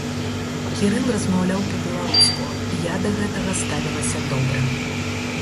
Кірыл размаўляў па-беларуску, я да гэтага ставілася добра.